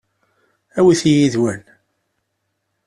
Awit-iyi yid-wen.